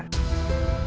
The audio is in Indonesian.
ini udah berapa